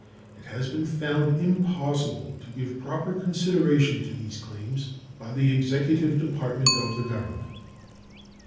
It has been found impossible to give proper consideration to these claims by the Executive Departments of the Government.